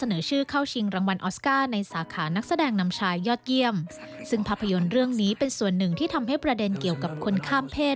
ประโยชน์เรื่องนี้เป็นส่วนหนึ่งที่ทำให้ประเด็นเกี่ยวกับคนข้ามเพศ